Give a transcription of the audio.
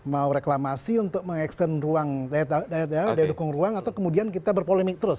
mau reklamasi untuk mengekstern ruang daya dukung ruang atau kemudian kita berpolemik terus